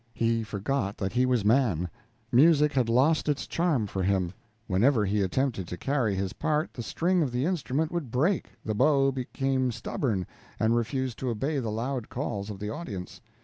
He forgot that he was man; music had lost its charms for him; whenever he attempted to carry his part, the string of the instrument would break, the bow became stubborn, and refused to obey the loud calls of the audience.